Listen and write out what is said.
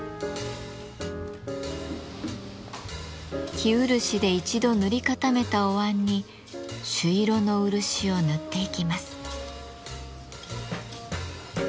生漆で一度塗り固めたおわんに朱色の漆を塗っていきます。